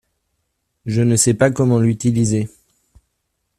Je ne sais pas comment l’utiliser.